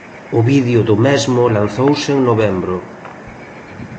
O vídeo do mesmo lanzouse en novembro.